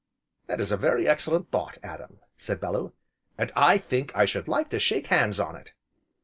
"That is a very excellent thought Adam!" said Bellew, "and I think I should like to shake hands on it."